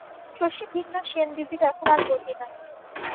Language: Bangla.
শশী ভিন্ন সেনদিদির এখন আর গতি নাই।